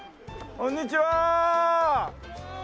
こんにちは。